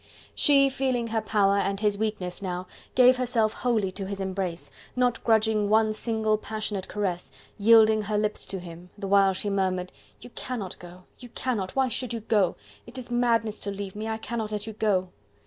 She feeling her power and his weakness now gave herself wholly to his embrace, not grudging one single, passionate caress, yielding her lips to him, the while she murmured: "You cannot go... you cannot... why should you go?... It is madness to leave me... I cannot let you go..."